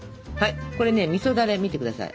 これねみそだれ見て下さい。